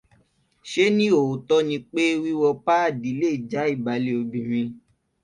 Ṣé ní òótọ́ ni pé wíwọ páàdì lè já ìbálé obìnrin?